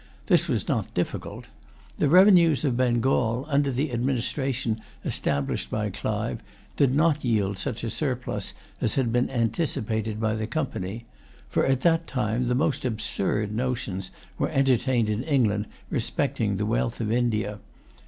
This was not difficult. The revenues of Bengal, under the administration established by Clive, did not yield such a surplus as had been anticipated by the Company; for at that time, the most absurd notions were entertained in England respecting the wealth of India.